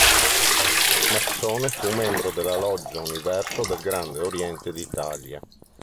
Massone, fu membro della loggia "Universo" del Grande Oriente d'Italia.